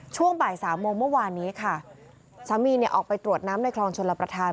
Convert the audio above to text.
ช่วงบ่ายสามโมงเมื่อวานนี้ค่ะสามีเนี่ยออกไปตรวจน้ำในคลองชลประธาน